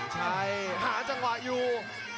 ใช่หาจังหวะอยู่